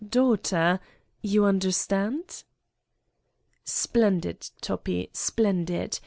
. daugh ter! You understand?" " Splendid, Toppi, splendid!